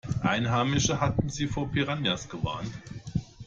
Einheimische hatten sie vor Piranhas gewarnt.